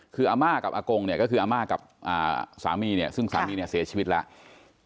คืออาม่ากับอากงเนี่ยก็คืออาม่ากับสามีเนี่ยซึ่งสามีเนี่ยเสียชีวิตแล้ว